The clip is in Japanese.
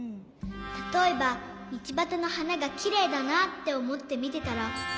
たとえばみちばたのはながきれいだなっておもってみてたら。